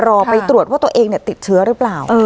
ไปตรวจว่าตัวเองติดเชื้อหรือเปล่า